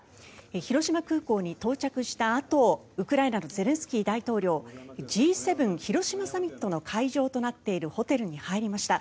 広島空港に到着したあとウクライナのゼレンスキー大統領Ｇ７広島サミットの会場となっているホテルに入りました。